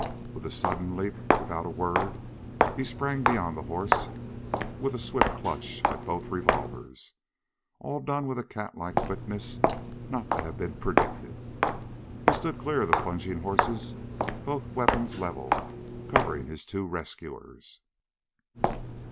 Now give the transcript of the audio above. With a sudden leap, without a word, he sprang beyond the horse, with a swift clutch at both revolvers, all done with a catlike quickness not to have been predicted. He stood clear of the plunging horse, both weapons leveled, covering his two rescuers.